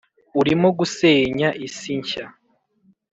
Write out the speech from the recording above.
urimo gusenya isi nshya